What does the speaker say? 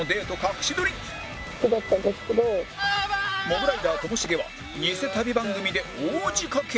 モグライダーともしげはニセ旅番組で大仕掛け